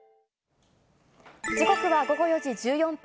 時刻は午後４時１４分。